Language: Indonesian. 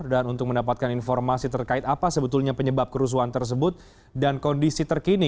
dan untuk mendapatkan informasi terkait apa sebetulnya penyebab kerusuhan tersebut dan kondisi terkini